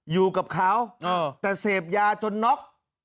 อยู่กับเขาแต่เสพยาจนน็อก